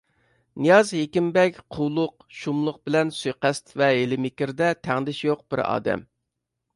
نىياز ھېكىمبەگ قۇۋلۇق، شۇملۇق بىلەن سۇيىقەست ۋە ھىيلە مىكىردە تەڭدىشى يوق بىر ئادەم.